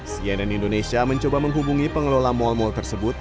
cnn indonesia mencoba menghubungi pengelola mal mal tersebut